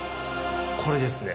これですね？